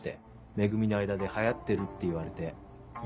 「メグミ」の間で流行ってるって言われて。